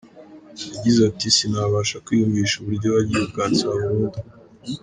Yagize ati: "Sinabasha kwiyumvisha uburyo wagiye ukansiba burundu.